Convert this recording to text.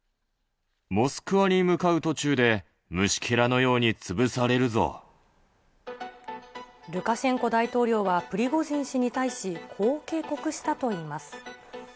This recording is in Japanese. モスクワに向かう途中で、ルカシェンコ大統領はプリゴジン氏に対し、こう警告したといいます。